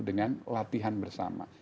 dengan latihan bersama